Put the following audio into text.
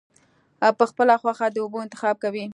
پۀ خپله خوښه د اوبو انتخاب کوي -